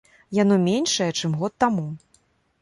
Яно меншае, чым год таму.